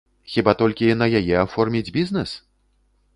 Хіба толькі на яе аформіць бізнэс?